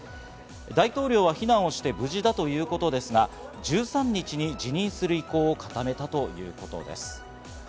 大統領は避難をして無事だということですが、１３日に辞任する意向を固めたということです。